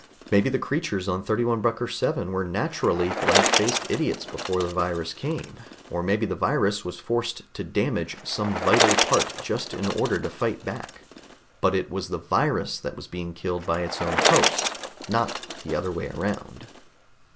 Maybe the creatures on 31 Brucker VII were naturally blank faced idiots before the virus came, or maybe the virus was forced to damage some vital part just in order to fight back but it was the virus that was being killed by its own host, not the other way around."